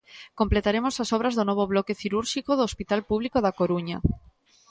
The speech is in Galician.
Completaremos as obras do novo bloque cirúrxico do hospital público da Coruña.